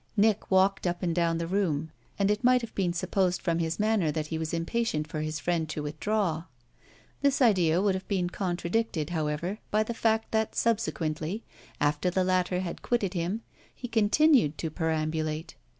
Nick walked up and down the room, and it might have been supposed from his manner that he was impatient for his friend to withdraw. This idea would have been contradicted, however, by the fact that subsequently, after the latter had quitted him, he continued to perambulate.